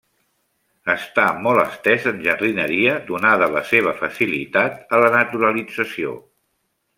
Està molt estès en jardineria donada la seva facilitat a la naturalització.